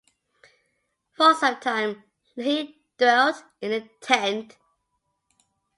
For some time, Lehi dwelt in a tent.